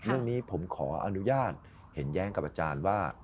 เรื่องนี้ผมขออนุญาตเห็นแย้งกับอาจารย์ว่า